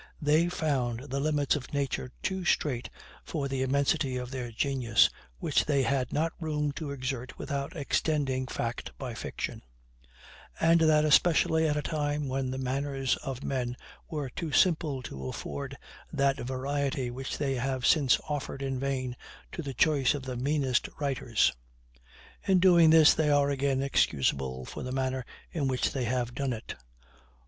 They found the limits of nature too straight for the immensity of their genius, which they had not room to exert without extending fact by fiction: and that especially at a time when the manners of men were too simple to afford that variety which they have since offered in vain to the choice of the meanest writers. In doing this they are again excusable for the manner in which they have done it.